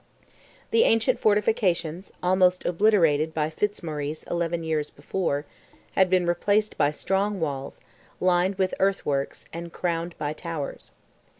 The ancient fortifications, almost obliterated by Fitzmaurice eleven years before, had been replaced by strong walls, lined with earthworks, and crowned by towers.